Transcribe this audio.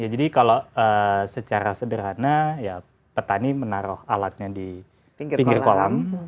kalau secara sederhana ya petani menaruh alatnya di pinggir kolam